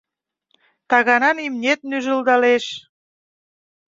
Таганан имнет нӱжылдалеш.